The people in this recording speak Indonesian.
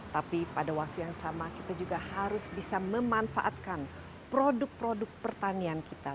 tapi pada waktu yang sama kita juga harus bisa memanfaatkan produk produk pertanian kita